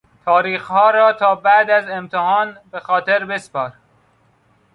تاریخها را تا بعد از امتحان به خاطر بسپار.